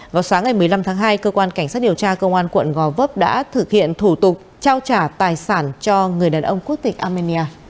vào sáng ngày một mươi năm tháng hai cơ quan cảnh sát điều tra công an quận gò vấp đã thực hiện thủ tục trao trả tài sản cho người đàn ông quốc tịch armenia